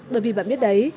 bởi vì bạn biết đấy